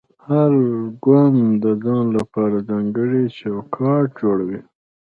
هر ګوند د ځان لپاره ځانګړی چوکاټ جوړوي